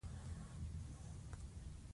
• شتمني که له نېک عمل سره مل وي، ارزښت لري.